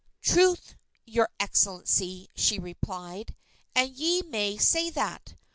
"Troth, your Excellency," replied she, "and ye may say that!